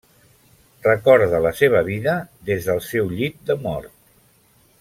Recorda la seva vida des del seu llit de mort.